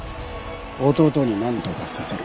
弟になんとかさせる。